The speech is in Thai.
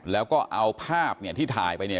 แล้วก็เอาภาพเนี่ยที่ถ่ายไปเนี่ย